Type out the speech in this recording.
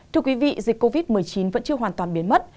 thưa quý vị dịch covid một mươi chín vẫn chưa hoàn toàn biến mất